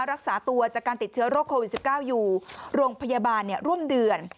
รักษาตัวจากการติดเชื้อโรคโควิด๑๙อยู่โรงพยาบาลร่วมเดือน